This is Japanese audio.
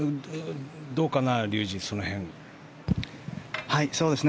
どうかな、竜二その辺は。